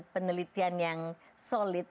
penelitian yang solid